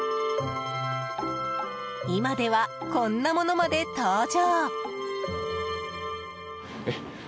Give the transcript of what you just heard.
今では、こんなものまで登場。